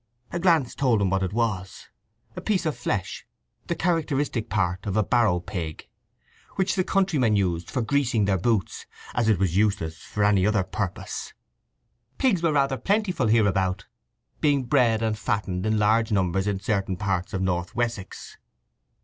A glance told him what it was—a piece of flesh, the characteristic part of a barrow pig, which the countrymen used for greasing their boots, as it was useless for any other purpose. Pigs were rather plentiful hereabout, being bred and fattened in large numbers in certain parts of North Wessex.